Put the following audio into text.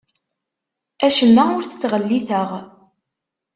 Acemma ur t-ttɣelliteɣ.